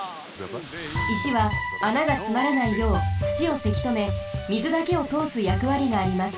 いしは穴がつまらないようつちをせきとめみずだけをとおすやくわりがあります。